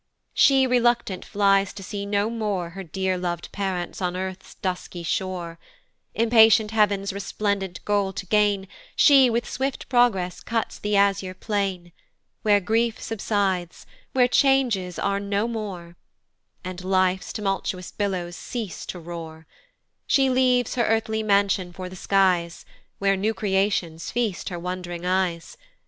She unreluctant flies to see no more Her dear lov'd parents on earth's dusky shore: Impatient heav'n's resplendent goal to gain, She with swift progress cuts the azure plain, Where grief subsides, where changes are no more, And life's tumultuous billows cease to roar; She leaves her earthly mansion for the skies, Where new creations feast her wond'ring eyes.